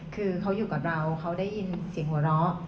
คือเขาอยู่กับเราเขาได้ยินเสียงหัวเราะ